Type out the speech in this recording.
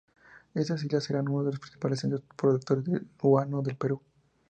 Estas islas eran uno de los principales centros productores de guano del Perú.